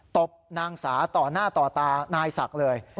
ตบนางสาต่อหน้าต่อตานายศักดิ์เลย